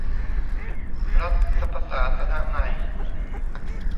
รัฐประศาสนนัย